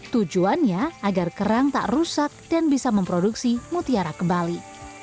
tujuannya agar kerang tak rusak dan bisa memproduksi mutiara kembali